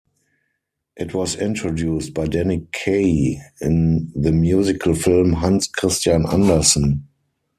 It was introduced by Danny Kaye in the musical film "Hans Christian Andersen".